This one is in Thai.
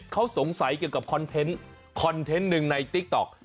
เขาสงสัยเกี่ยวกับคอนเทนต์คอนเทนต์หนึ่งในติ๊กต๊อก